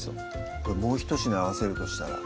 これもうひと品合わせるとしたら？